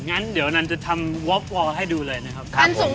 งั้นเดี๋ยวนั้นจะทำว๊อบวอล์สให้ดูเลยนะครับ